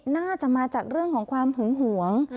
น่าจะมาจากเรื่องของความหึงหวง